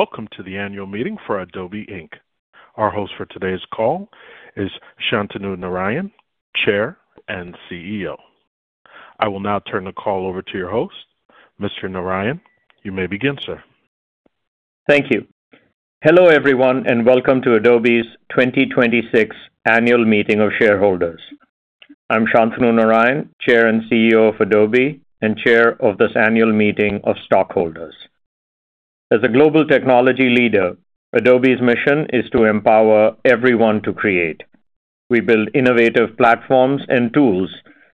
Welcome to the Annual Meeting for Adobe Inc. Our host for today's call is Shantanu Narayen, Chair and CEO. I will now turn the call over to your host. Mr. Narayen, you may begin, sir. Thank you. Hello, everyone, and welcome to Adobe's 2026 Annual Meeting of Shareholders. I'm Shantanu Narayen, Chair and CEO of Adobe, and Chair of this Annual Meeting of Stockholders. As a global technology leader, Adobe's mission is to empower everyone to create. We build innovative platforms and tools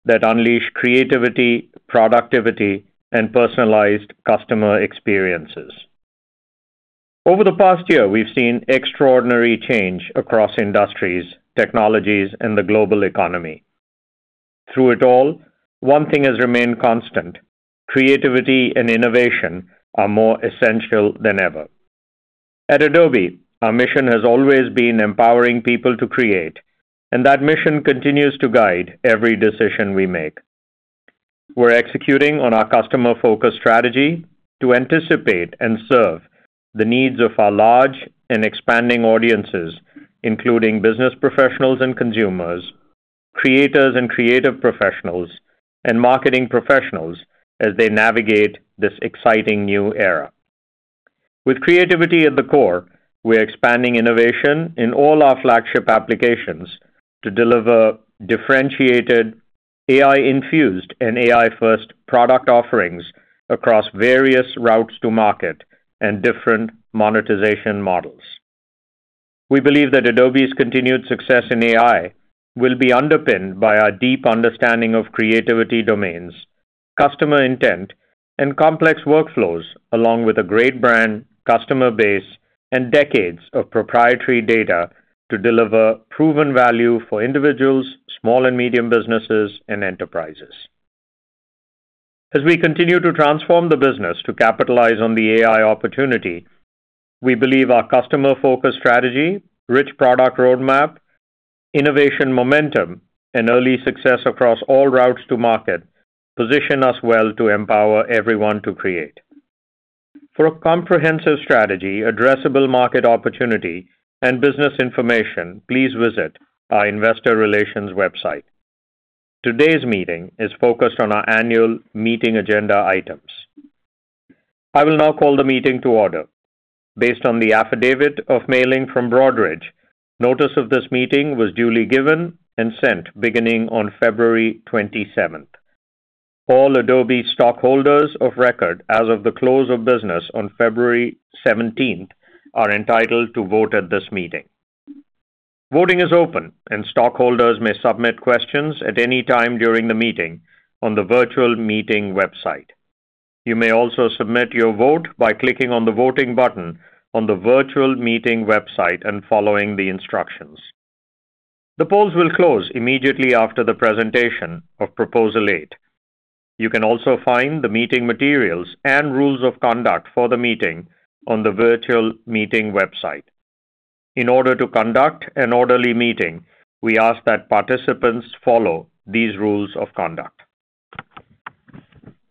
that unleash creativity, productivity, and personalized customer experiences. Over the past year, we've seen extraordinary change across industries, technologies, and the global economy. Through it all, one thing has remained constant. Creativity and innovation are more essential than ever. At Adobe, our mission has always been empowering people to create, and that mission continues to guide every decision we make. We're executing on our customer-focused strategy to anticipate and serve the needs of our large and expanding audiences, including business professionals and consumers, creators and creative professionals, and marketing professionals as they navigate this exciting new era. With creativity at the core, we're expanding innovation in all our flagship applications to deliver differentiated AI-infused and AI-first product offerings across various routes to market and different monetization models. We believe that Adobe's continued success in AI will be underpinned by our deep understanding of creativity domains, customer intent, and complex workflows, along with a great brand, customer base, and decades of proprietary data to deliver proven value for individuals, small and medium businesses, and enterprises. As we continue to transform the business to capitalize on the AI opportunity, we believe our customer-focused strategy, rich product roadmap, innovation momentum, and early success across all routes to market position us well to empower everyone to create. For a comprehensive strategy, addressable market opportunity, and business information, please visit our Investor Relations website. Today's meeting is focused on our annual meeting agenda items. I will now call the meeting to order. Based on the affidavit of mailing from Broadridge, notice of this meeting was duly given and sent beginning on February 27th. All Adobe stockholders of record as of the close of business on February 17th are entitled to vote at this meeting. Voting is open and stockholders may submit questions at any time during the meeting on the virtual meeting website. You may also submit your vote by clicking on the voting button on the virtual meeting website and following the instructions. The polls will close immediately after the presentation of Proposal eight. You can also find the meeting materials and Rules of Conduct for the meeting on the virtual meeting website. In order to conduct an orderly meeting, we ask that participants follow these Rules of Conduct.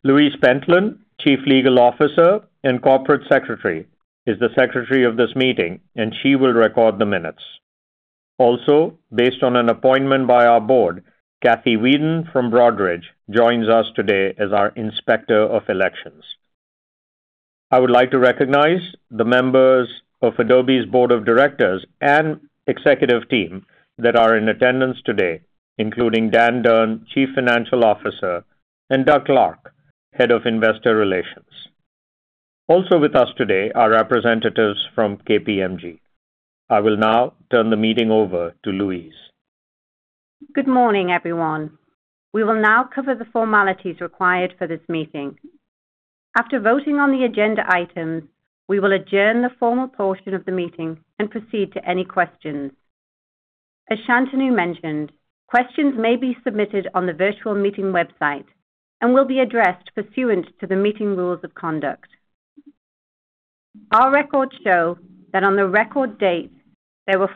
Louise Pentland, Chief Legal Officer and Corporate Secretary, is the Secretary of this meeting, and she will record the minutes. Also, based on an appointment by our Board, Kathy Wheadon from Broadridge joins us today as our Inspector of Elections. I would like to recognize the members of Adobe's Board of Directors and Executive Team that are in attendance today, including Dan Durn, Chief Financial Officer, and Doug Clark, Head of Investor Relations. Also with us today are representatives from KPMG. I will now turn the meeting over to Louise. Good morning, everyone. We will now cover the formalities required for this meeting. After voting on the agenda items, we will adjourn the formal portion of the meeting and proceed to any questions. As Shantanu mentioned, questions may be submitted on the virtual meeting website and will be addressed pursuant to the meeting rules of conduct. Our records show that on the record date, there were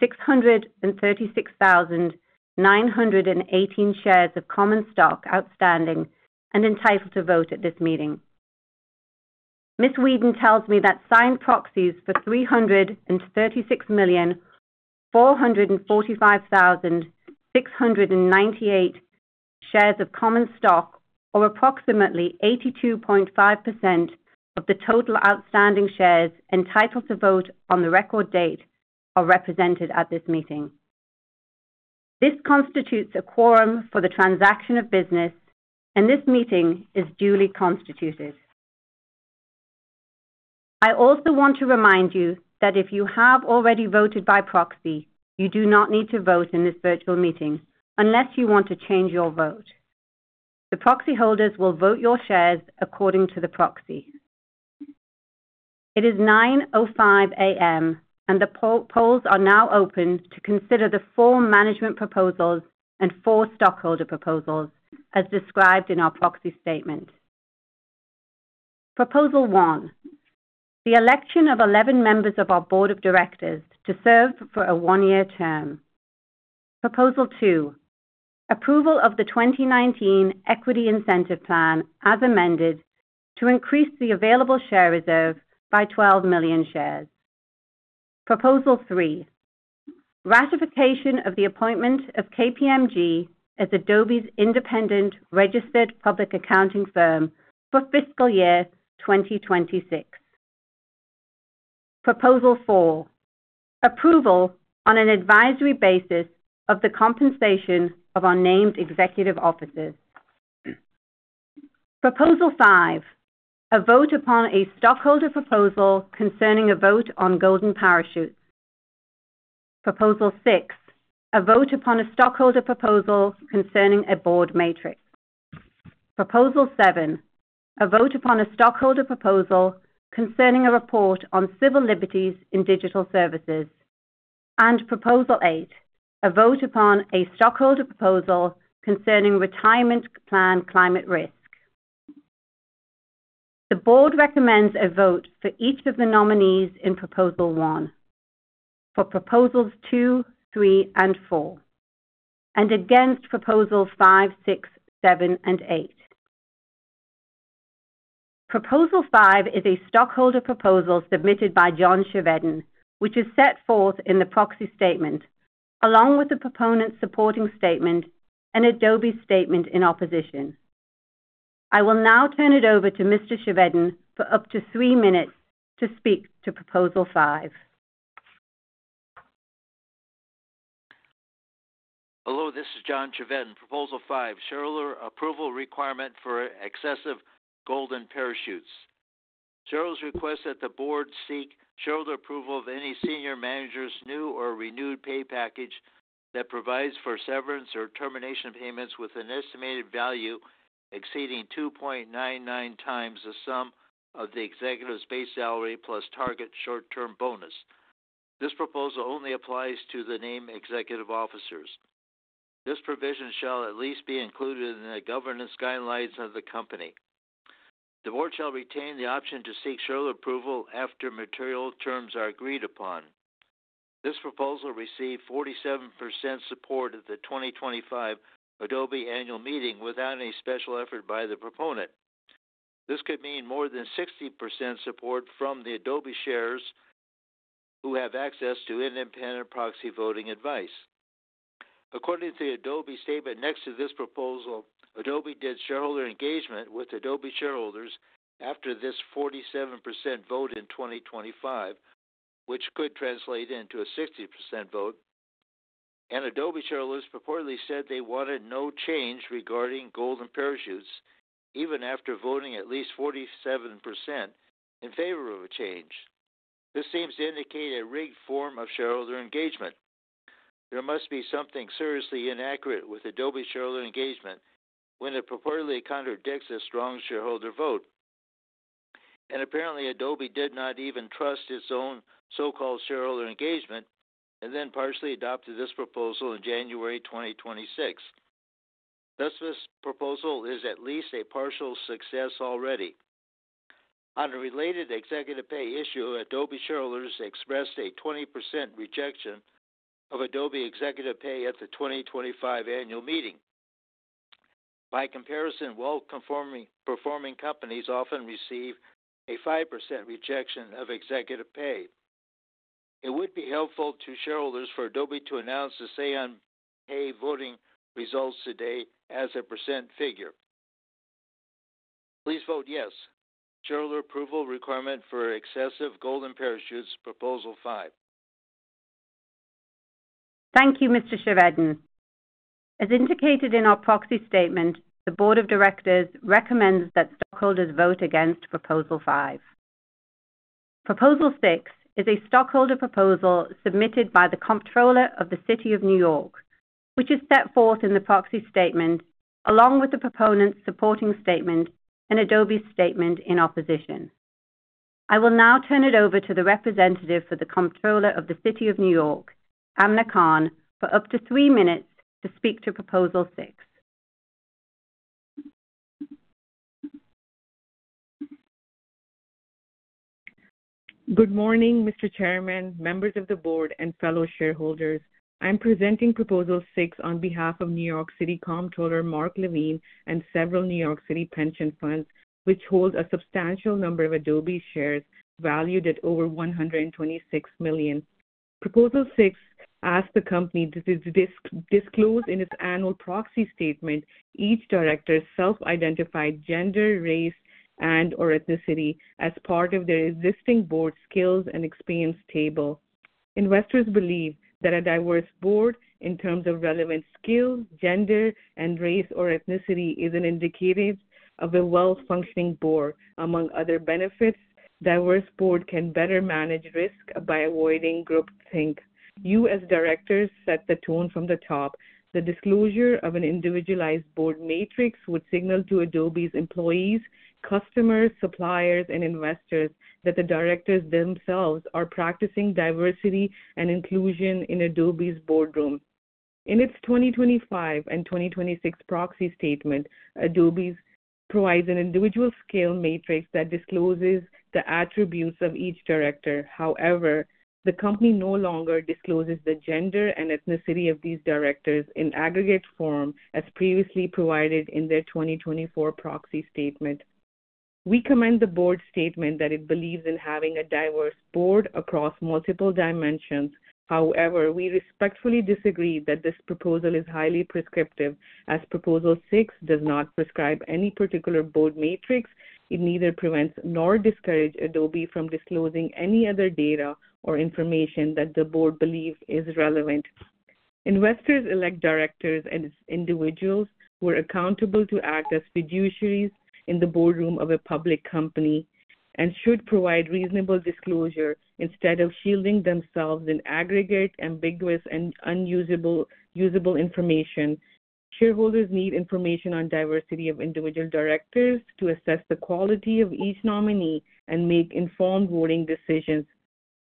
407,636,918 shares of common stock outstanding and entitled to vote at this meeting. Ms. Wheadon tells me that signed proxies for 336,445,698 shares of common stock, or approximately 82.5% of the total outstanding shares entitled to vote on the record date, are represented at this meeting. This constitutes a quorum for the transaction of business, and this meeting is duly constituted. I also want to remind you that if you have already voted by proxy, you do not need to vote in this virtual meeting unless you want to change your vote. The proxy holders will vote your shares according to the proxy. It is 9:05 A.M. and the polls are now open to consider the four management proposals and four stockholder proposals as described in our proxy statement. Proposal one, the election of 11 members of our Board of Directors to serve for a one-year term. Proposal two, approval of the 2019 Equity Incentive Plan as amended to increase the available share reserve by 12 million shares. Proposal three, ratification of the appointment of KPMG as Adobe's independent registered public accounting firm for fiscal year 2026. Proposal four, approval on an advisory basis of the compensation of our Named Executive Officers. Proposal five, a vote upon a stockholder proposal concerning a vote on golden parachutes. Proposal six, a vote upon a stockholder proposal concerning a board matrix. Proposal seven, a vote upon a stockholder proposal concerning a report on civil liberties in digital services. Proposal eight, a vote upon a stockholder proposal concerning retirement plan climate risk. The Board recommends a vote for each of the nominees in Proposal one, for Proposals two, three, and four, and against Proposals five, six, seven, and eight. Proposal five is a stockholder proposal submitted by John Chevedden, which is set forth in the proxy statement, along with the proponent's supporting statement and Adobe's statement in opposition. I will now turn it over to Mr. Chevedden for up to three minutes to speak to Proposal five. Hello, this is John Chevedden. Proposal five, shareholder approval requirement for excessive golden parachutes. Shareholders request that the Board seek shareholder approval of any senior manager's new or renewed pay package that provides for severance or termination payments with an estimated value exceeding 2.99x the sum of the executive's base salary plus target short-term bonus. This proposal only applies to the named executive officers. This provision shall at least be included in the governance guidelines of the company. The Board shall retain the option to seek shareholder approval after material terms are agreed upon. This proposal received 47% support at the 2025 Adobe Annual Meeting without any special effort by the proponent. This could mean more than 60% support from the Adobe shares who have access to independent proxy voting advice. According to the Adobe statement next to this proposal, Adobe did shareholder engagement with Adobe shareholders after this 47% vote in 2025, which could translate into a 60% vote, and Adobe shareholders purportedly said they wanted no change regarding golden parachutes, even after voting at least 47% in favor of a change. This seems to indicate a rigged form of shareholder engagement. There must be something seriously inaccurate with Adobe shareholder engagement when it purportedly contradicts a strong shareholder vote. Apparently Adobe did not even trust its own so-called shareholder engagement and then partially adopted this proposal in January 2026. Thus, this proposal is at least a partial success already. On a related executive pay issue, Adobe shareholders expressed a 20% rejection of Adobe executive pay at the 2025 Annual Meeting. By comparison, well-performing companies often receive a 5% rejection of executive pay. It would be helpful to shareholders for Adobe to announce the say on pay voting results today as a percent figure. Please vote yes. Shareholder approval requirement for excessive golden parachutes, Proposal five. Thank you, Mr. Chevedden. As indicated in our proxy statement, the Board of Directors recommends that stockholders vote against Proposal five. Proposal six is a stockholder proposal submitted by the Comptroller of the City of New York, which is set forth in the proxy statement along with the proponent's supporting statement and Adobe's statement in opposition. I will now turn it over to the representative for the Comptroller of the City of New York, Amna Khan, for up to three minutes to speak to Proposal six. Good morning, Mr. Chairman, members of the board, and fellow shareholders. I'm presenting proposal six on behalf of New York City Comptroller Mark Levine and several New York City pension funds, which hold a substantial number of Adobe shares valued at over $126 million. Proposal six asks the company to disclose in its annual proxy statement each director's self-identified gender, race, and/or ethnicity as part of their existing board skills and experience table. Investors believe that a diverse board in terms of relevant skills, gender, and race or ethnicity is an indicator of a well-functioning board. Among other benefits, a diverse board can better manage risk by avoiding groupthink. You, as directors, set the tone from the top. The disclosure of an individualized board matrix would signal to Adobe's employees, customers, suppliers, and investors that the directors themselves are practicing diversity and inclusion in Adobe's boardroom. In its 2025 and 2026 Proxy Statement, Adobe provides an individual skills matrix that discloses the attributes of each director. However, the company no longer discloses the gender and ethnicity of these directors in aggregate form, as previously provided in their 2024 Proxy Statement. We commend the Board's statement that it believes in having a diverse Board across multiple dimensions. However, we respectfully disagree that this proposal is highly prescriptive, as Proposal six does not prescribe any particular Board Matrix. It neither prevents nor discourage Adobe from disclosing any other data or information that the Board believes is relevant. Investors elect directors and individuals who are accountable to act as fiduciaries in the Boardroom of a public company and should provide reasonable disclosure instead of shielding themselves in aggregate, ambiguous, and unusable information. Shareholders need information on diversity of individual directors to assess the quality of each nominee and make informed voting decisions.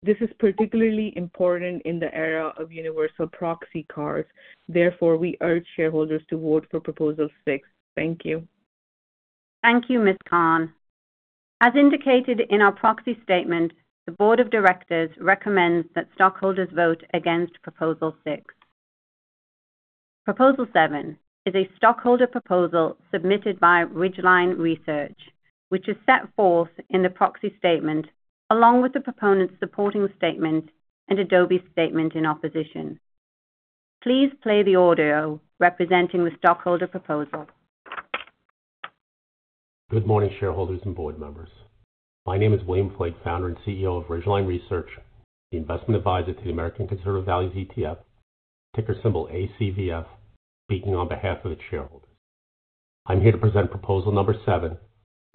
This is particularly important in the era of universal proxy cards. Therefore, we urge shareholders to vote for Proposal six. Thank you. Thank you, Ms. Khan. As indicated in our proxy statement, the Board of Directors recommends that stockholders vote against Proposal six. Proposal seven is a stockholder proposal submitted by Ridgeline Research, which is set forth in the proxy statement, along with the proponent's supporting statement and Adobe's statement in opposition. Please play the audio representing the stockholder proposal. Good morning, shareholders and board members. My name is William Flaig, Founder and CEO of Ridgeline Research, the investment advisor to the American Conservative Values ETF, ticker symbol ACVF, speaking on behalf of its shareholders. I'm here to present Proposal number seven,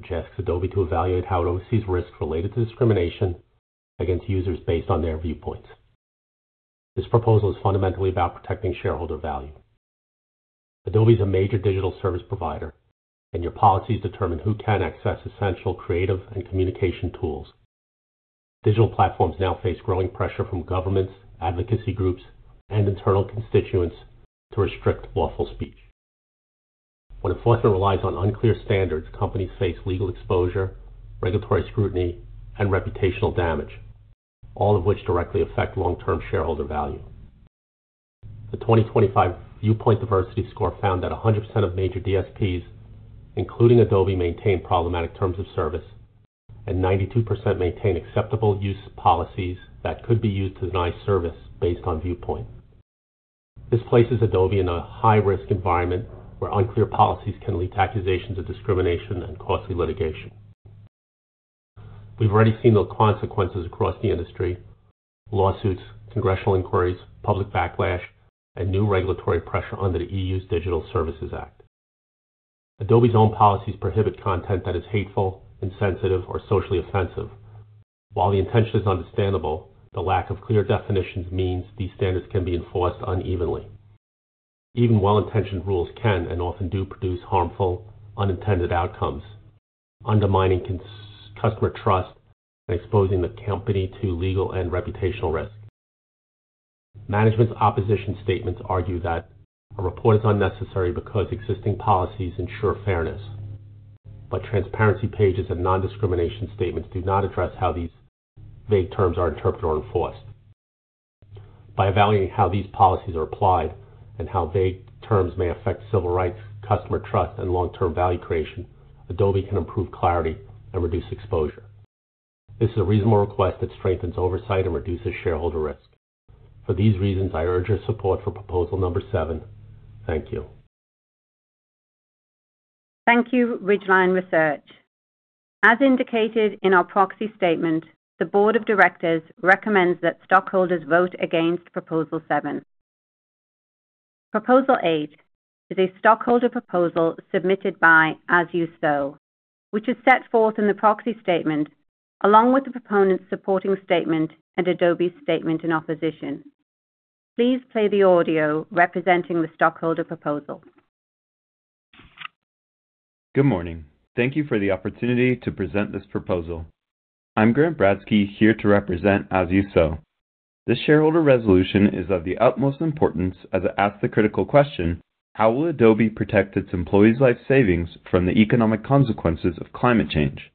which asks Adobe to evaluate how it oversees risks related to discrimination against users based on their viewpoints. This proposal is fundamentally about protecting shareholder value. Adobe is a major digital service provider, and your policies determine who can access essential creative and communication tools. Digital platforms now face growing pressure from governments, advocacy groups, and internal constituents to restrict lawful speech. When enforcement relies on unclear standards, companies face legal exposure, regulatory scrutiny, and reputational damage, all of which directly affect long-term shareholder value. The 2025 Viewpoint Diversity Score found that 100% of major DSPs, including Adobe, maintain problematic terms of service, and 92% maintain acceptable use policies that could be used to deny service based on viewpoint. This places Adobe in a high-risk environment where unclear policies can lead to accusations of discrimination and costly litigation. We've already seen the consequences across the industry, lawsuits, congressional inquiries, public backlash, and new regulatory pressure under the E.U.'s Digital Services Act. Adobe's own policies prohibit content that is hateful, insensitive, or socially offensive. While the intention is understandable, the lack of clear definitions means these standards can be enforced unevenly. Even well-intentioned rules can and often do produce harmful, unintended outcomes, undermining customer trust and exposing the company to legal and reputational risk. Management's opposition statements argue that a report is unnecessary because existing policies ensure fairness. Transparency pages and non-discrimination statements do not address how these vague terms are interpreted or enforced. By evaluating how these policies are applied and how vague terms may affect civil rights, customer trust, and long-term value creation, Adobe can improve clarity and reduce exposure. This is a reasonable request that strengthens oversight and reduces shareholder risk. For these reasons, I urge your support for Proposal number seven. Thank you. Thank you, Ridgeline Research. As indicated in our proxy statement, the board of directors recommends that stockholders vote against Proposal seven. Proposal eight is a stockholder proposal submitted by As You Sow, which is set forth in the proxy statement, along with the proponents' supporting statement and Adobe's statement in opposition. Please play the audio representing the stockholder proposal. Good morning. Thank you for the opportunity to present this proposal. I'm Grant Bradski, here to represent As You Sow. This shareholder resolution is of the utmost importance as it asks the critical question, how will Adobe protect its employees' life savings from the economic consequences of climate change?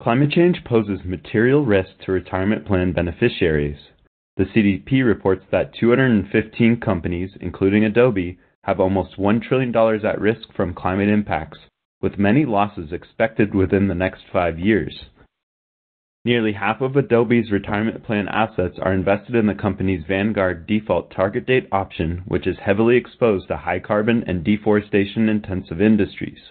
Climate change poses material risk to retirement plan beneficiaries. The CDP reports that 215 companies, including Adobe, have almost $1 trillion at risk from climate impacts, with many losses expected within the next five years. Nearly half of Adobe's retirement plan assets are invested in the company's Vanguard default target date option, which is heavily exposed to high carbon and deforestation-intensive industries.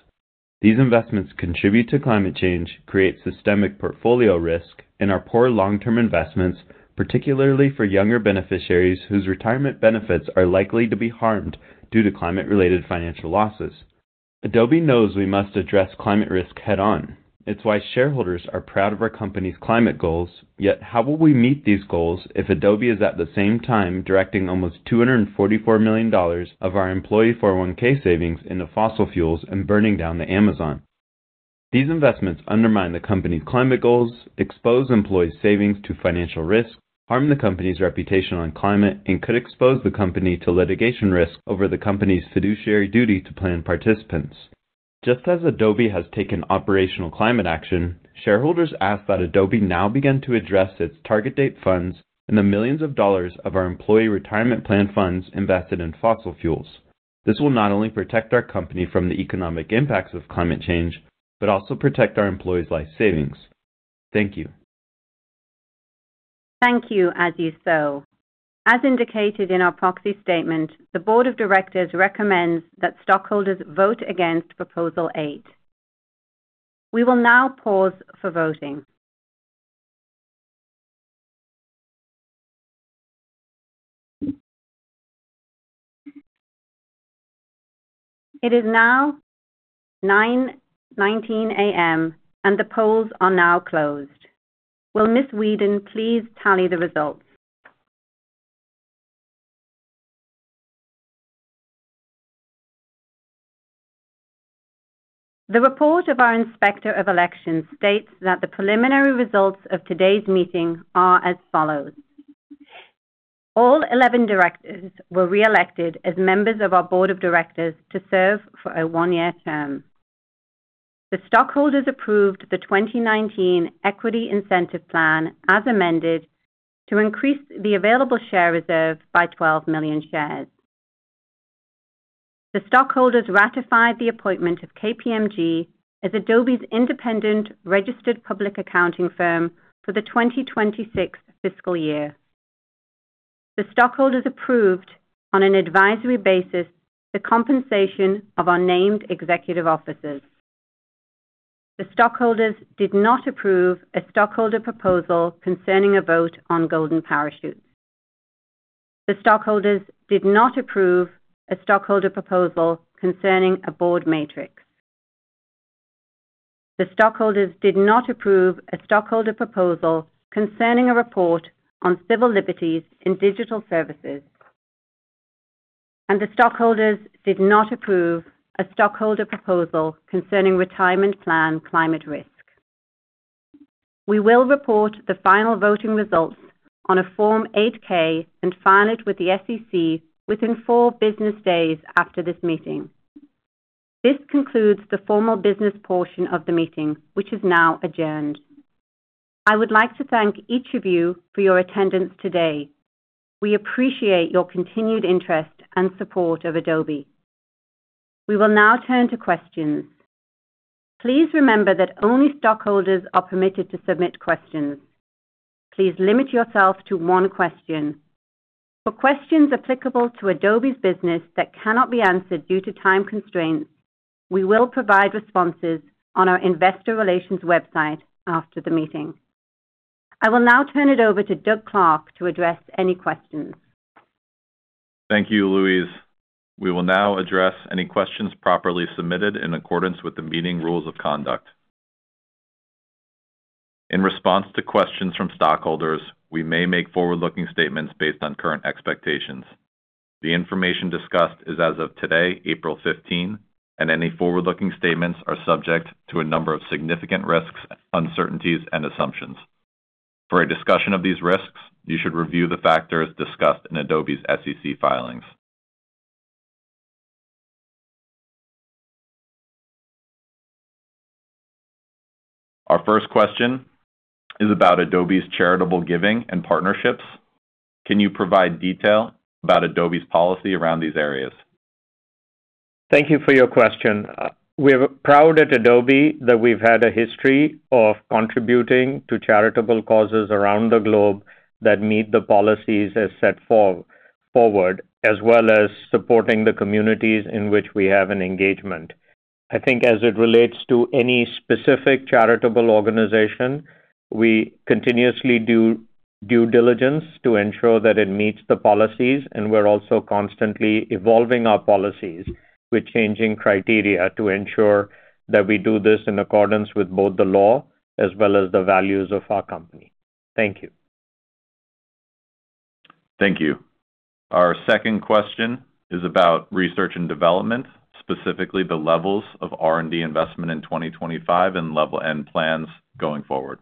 These investments contribute to climate change, create systemic portfolio risk, and are poor long-term investments, particularly for younger beneficiaries whose retirement benefits are likely to be harmed due to climate-related financial losses. Adobe knows we must address climate risk head-on. It's why shareholders are proud of our company's climate goals. Yet how will we meet these goals if Adobe is at the same time directing almost $244 million of our employee 401k savings into fossil fuels and burning down the Amazon? These investments undermine the company climate goals, expose employee savings to financial risk, harm the company's reputation on climate, and could expose the company to litigation risk over the company's fiduciary duty to plan participants. Just as Adobe has taken operational climate action, shareholders ask that Adobe now begin to address its target date funds and the millions of dollars of our employee retirement plan funds invested in fossil fuels. This will not only protect our company from the economic impacts of climate change, but also protect our employees' life savings. Thank you. Thank you, As You Sow. As indicated in our proxy statement, the Board of Directors recommends that stockholders vote against Proposal eight. We will now pause for voting. It is now 9:19 A.M., and the polls are now closed. Will Ms. Wheadon please tally the results? The report of our Inspector of Elections states that the preliminary results of today's meeting are as follows. All 11 directors were reelected as members of our Board of Directors to serve for a one-year term. The stockholders approved the 2019 Equity Incentive Plan as amended to increase the available share reserve by 12 million shares. The stockholders ratified the appointment of KPMG as Adobe's independent registered public accounting firm for the 2026 fiscal year. The stockholders approved on an advisory basis the compensation of our named executive officers. The stockholders did not approve a stockholder proposal concerning a vote on golden parachutes. The stockholders did not approve a stockholder proposal concerning a board matrix. The stockholders did not approve a stockholder proposal concerning a report on civil liberties in digital services. The stockholders did not approve a stockholder proposal concerning retirement plan climate risk. We will report the final voting results on a Form 8-K and file it with the SEC within four business days after this meeting. This concludes the formal business portion of the meeting, which is now adjourned. I would like to thank each of you for your attendance today. We appreciate your continued interest and support of Adobe. We will now turn to questions. Please remember that only stockholders are permitted to submit questions. Please limit yourself to one question. For questions applicable to Adobe's business that cannot be answered due to time constraints, we will provide responses on our Investor relations website after the meeting. I will now turn it over to Doug Clark to address any questions. Thank you, Louise. We will now address any questions properly submitted in accordance with the meeting rules of conduct. In response to questions from stockholders, we may make forward-looking statements based on current expectations. The information discussed is as of today, April 15th, and any forward-looking statements are subject to a number of significant risks, uncertainties, and assumptions. For a discussion of these risks, you should review the factors discussed in Adobe's SEC filings. Our first question is about Adobe's charitable giving and partnerships. Can you provide detail about Adobe's policy around these areas? Thank you for your question. We're proud at Adobe that we've had a history of contributing to charitable causes around the globe that meet the policies as set forward, as well as supporting the communities in which we have an engagement. I think as it relates to any specific charitable organization, we continuously do due diligence to ensure that it meets the policies, and we're also constantly evolving our policies with changing criteria to ensure that we do this in accordance with both the law as well as the values of our company. Thank you. Thank you. Our second question is about research and development, specifically the levels of R&D investment in 2025 and level and plans going forward.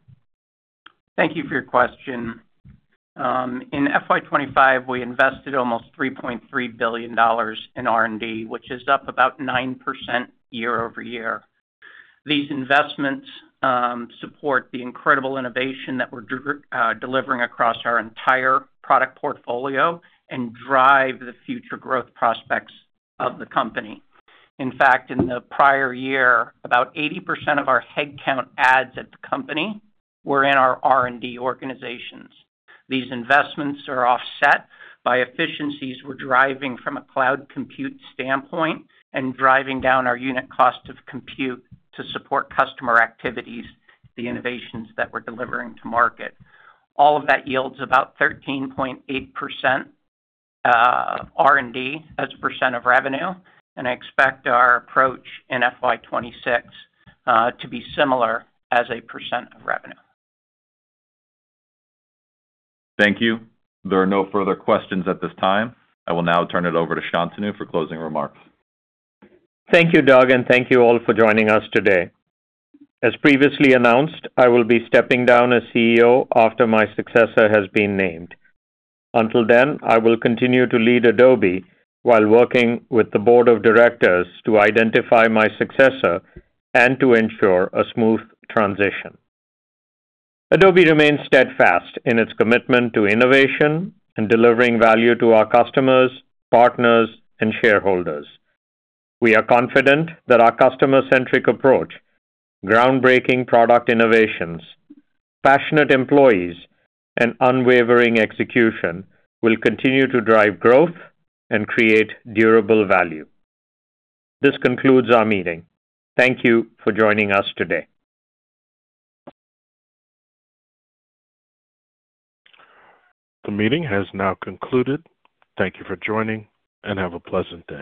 Thank you for your question. In FY 2025, we invested almost $3.3 billion in R&D, which is up about 9% year-over-year. These investments support the incredible innovation that we're delivering across our entire product portfolio and drive the future growth prospects of the company. In fact, in the prior year, about 80% of our headcount adds at the company were in our R&D organizations. These investments are offset by efficiencies we're driving from a cloud compute standpoint and driving down our unit cost of compute to support customer activities, the innovations that we're delivering to market. All of that yields about 13.8% R&D as a percent of revenue, and I expect our approach in FY 2026 to be similar as a percent of revenue. Thank you. There are no further questions at this time. I will now turn it over to Shantanu for closing remarks. Thank you, Doug, and thank you all for joining us today. As previously announced, I will be stepping down as CEO after my successor has been named. Until then, I will continue to lead Adobe while working with the Board of Directors to identify my successor and to ensure a smooth transition. Adobe remains steadfast in its commitment to innovation and delivering value to our customers, partners, and shareholders. We are confident that our customer-centric approach, groundbreaking product innovations, passionate employees, and unwavering execution will continue to drive growth and create durable value. This concludes our meeting. Thank you for joining us today. The meeting has now concluded. Thank you for joining, and have a pleasant day.